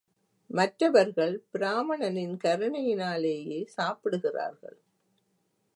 மற்றவர்கள் பிராமணனின் கருணையினாலேயே சாப்பிடுகிறார்கள்.